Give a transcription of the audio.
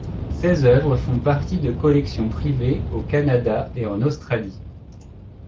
Ses œuvres font partie de collections privées au Canada et en Australie.